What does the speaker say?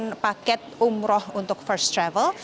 dan paket umroh untuk first travel